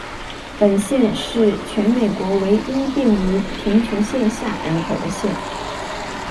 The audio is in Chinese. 本县是全美国唯一并无贫穷线下人口的县。